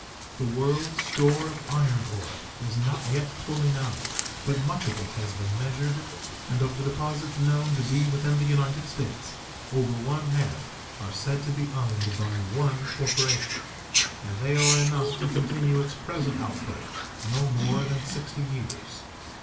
The world's store of iron ore is not yet fully known, but much of it has been measured, and of the deposits known to be within the United States over one half are said to be owned by one corporation, and they are enough to continue its present output no more than sixty years.